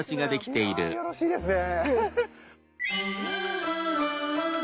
いやよろしいですね。